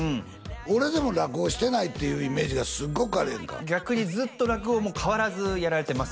俺でも「落語してない」っていうイメージがすごくあるやんか逆にずっと落語もう変わらずやられてます